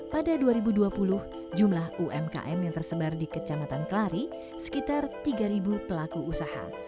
pada dua ribu dua puluh jumlah umkm yang tersebar di kecamatan kelari sekitar tiga pelaku usaha